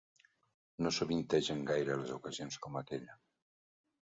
No sovintegen gaire les ocasions com aquella.